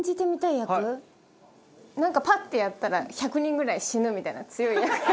なんかパッてやったら１００人ぐらい死ぬみたいな強い役。